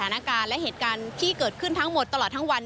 สรุปบดันหน้าการและเหตุการณ์ที่เกิดขึ้นทั้งหมดตลอดทั้งวัน